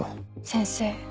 先生。